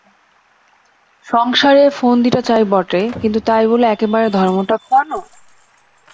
সংসারে ফন্দিটা চাই বটে, কিন্তু তাই বলে একেবারে ধর্মটা খোয়ানো?